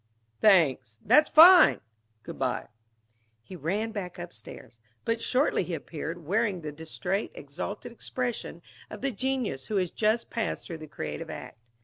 Thanks. That's fine! Good by." He ran back upstairs. But shortly he appeared, wearing the distrait, exalted expression of the genius who has just passed through the creative act.